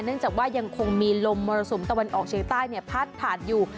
เนื่องจากว่ายังคงมีลมมรสมตะวันออกเชียงใต้เนี่ยพัดผ่านอยู่